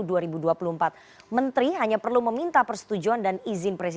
dengan keuntungan menteri